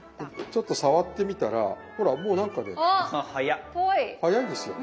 ちょっと触ってみたらほらもう何かね早いんですよ。